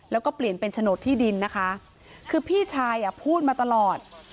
แล้วก็เปลี่ยนเป็นโฉนดที่ดินนะคะคือพี่ชายอ่ะพูดมาตลอด